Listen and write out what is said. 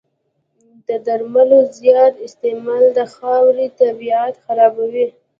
د درملو زیات استعمال د خاورې طبعیت خرابوي.